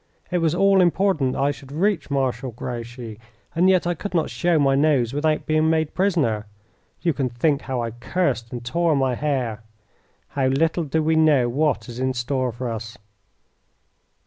It was all important that I should reach Marshal Grouchy, and yet I could not show my nose without being made prisoner. You can think how I cursed and tore my hair. How little do we know what is in store for us!